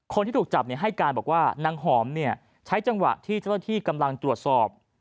คนที่ถูกจับให้การบอกว่านางหอมใช้จังหวะที่เจ้าหน้าที่กำลังตรวจสอบ